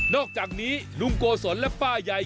อกจากนี้ลุงโกศลและป้าใหญ่